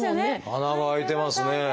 穴も開いてますね。